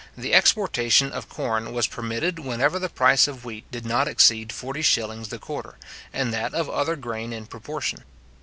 4, the exportation of corn was permitted whenever the price of wheat did not exceed 40s. the quarter, and that of other grain in proportion.